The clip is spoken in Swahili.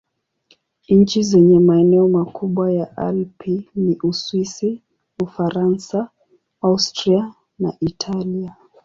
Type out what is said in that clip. Nchi zenye maeneo makubwa ya Alpi ni Uswisi, Ufaransa, Austria na Italia.